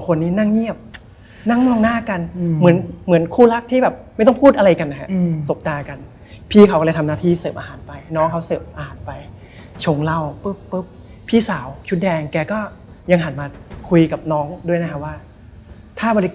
ไฟแรงก็เลยอาศาเลยว่า